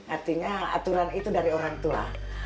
artinya aturan itu dari orang tua